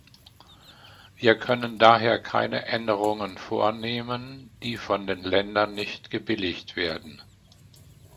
Wir können daher keine Änderungen vornehmen, die von den Ländern nicht gebilligt werden.